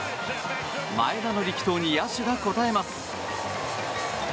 前田の力投に野手が応えます。